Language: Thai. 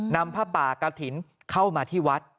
นำพระปากฏินเข้ามาที่วัด